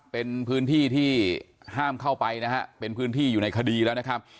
เป็นพื้นที่ที่ห้ามเข้าไปนะฮะเป็นพื้นที่อยู่ในคดีแล้วนะครับ